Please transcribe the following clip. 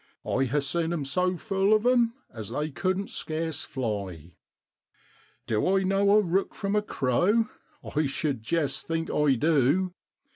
I ha' seen 'em so full of 'em as they couldn't scarce fly. Du I know a rook from a crow ? I shud jest think I du.